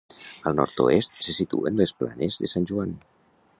Al nord-oest se situen les planes de San Juan.